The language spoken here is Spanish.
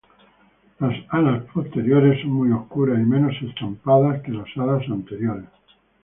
Las alas posteriores son muy oscuras y menos estampadas que las alas anteriores.